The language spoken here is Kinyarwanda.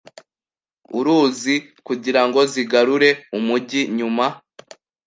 uruzi kugira ngo zigarure umujyi. Nyuma